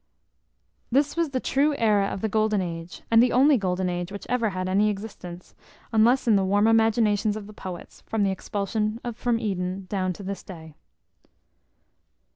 [*] This was the true aera of the golden age, and the only golden age which ever had any existence, unless in the warm imaginations of the poets, from the expulsion from Eden down to this day.